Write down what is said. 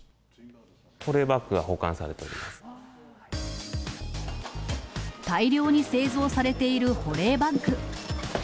保冷バッグが保管されていま大量に製造されている保冷バッグ。